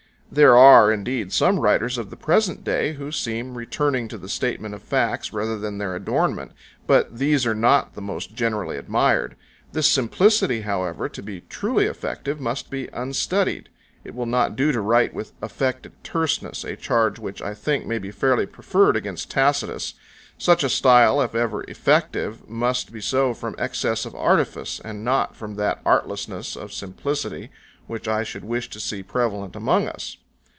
There are, indeed, some writers of the present day who seem returning to the statement of facts rather than their adornment, but these are not the most generally admired. This simplicity, however, to be truly effective must be unstudied; it will not do to write with affected terseness, a charge which, I think, may be fairly preferred against Tacitus; such a style if ever effective must be so from excess of artifice and not from that artlessness of simplicity which I should wish to see prevalent among us.